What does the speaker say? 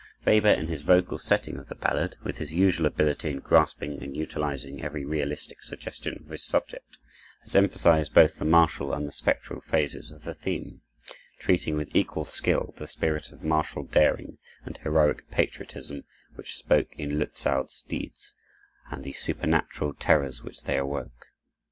Weber, in his vocal setting of the ballad, with his usual ability in grasping and utilizing every realistic suggestion of his subject, has emphasized both the martial and the spectral phases of the theme, treating with equal skill the spirit of martial daring and heroic patriotism which spoke in Lützow's deeds, and the supernatural terrors which they awoke.